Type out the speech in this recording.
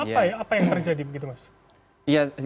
apa yang terjadi begitu mas